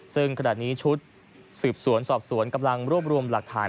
ซึ่งขณะนี้ชุดสืบสวนสอบสวนกำลังรวบรวมหลักฐาน